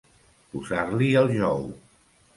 Posar-li el jou.